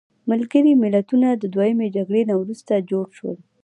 ملګري ملتونه د دویمې جګړې نه وروسته جوړ شول.